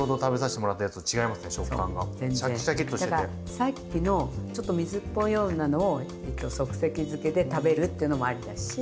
さっきのちょっと水っぽいようなのを即席漬けで食べるっていうのもありだし